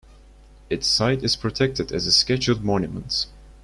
Its site is protected as a Scheduled monument.